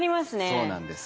そうなんです。